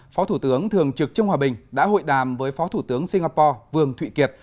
phó thủ tướng thường trực trương hòa bình đã hội đàm với phó thủ tướng singapore vương thụy kiệt